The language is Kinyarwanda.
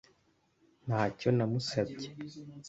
Ntacyo namusabye